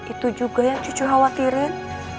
itu juga yang cucu khawatirin